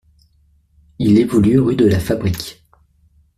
Il évolue rue de la Fabrique.